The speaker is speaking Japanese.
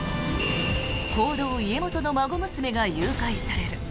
香道家元の孫娘が誘拐される。